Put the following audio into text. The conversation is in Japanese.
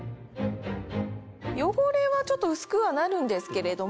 汚れはちょっと薄くはなるんですけれども。